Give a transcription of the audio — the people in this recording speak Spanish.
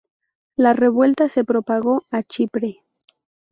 La revuelta se propagó a Chipre.